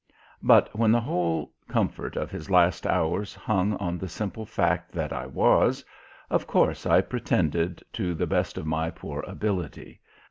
But when the whole comfort of his last hours hung on the simple fact that I was, of course I pretended to the best of my poor ability.